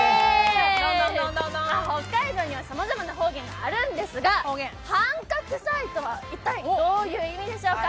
北海道にはさまざまな方言があるんですが「はんかくさい」とは一体どういう意味でしょうか？